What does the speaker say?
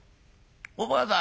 おばあさん